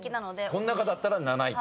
こん中だったら７位。